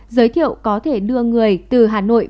giới thiệu có thể đưa người từ hà nội